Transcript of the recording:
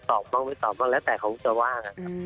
ตอบบ้างไม่ตอบบ้างแล้วแต่เขาจะว่า